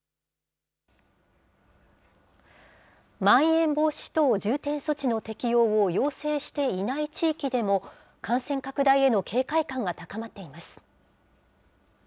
まん延防止等重点措置の適用を要請していない地域でも、感染拡大への警戒感が高まっています。